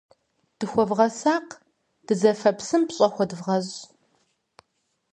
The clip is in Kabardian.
Дыхуэвгъэсакъ, дызэфэ псым пщӀэ хуэдывгъэщӀ.